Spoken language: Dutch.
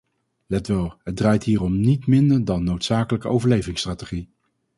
Let wel, het draait hier om niet minder dan noodzakelijke overlevingsstrategie.